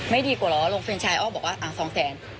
ไม่ดีกว่าเราลงเฟรนไชท์อ้อบอกว่า๒๐๐๐๐๐